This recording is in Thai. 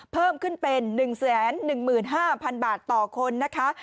เพิ่มขึ้นเป็น๑๑๕๐๐๐บาทต่อคนนะคะ